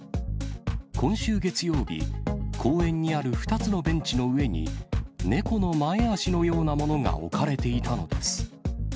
今週月曜日、公園にある２つのベンチの上に、猫の前足のようなものが置かれていたのです。